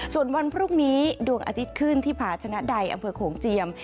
ส่วนวันพรุ่งนี้ดวงอาทิตย์ขึ้นที่ผาชนะใดอำเภอโขงเจียม